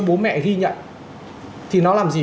bố mẹ ghi nhận thì nó làm gì